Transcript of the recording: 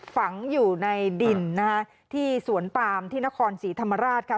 ฝังอยู่ในดินนะคะที่สวนปามที่นครศรีธรรมราชค่ะ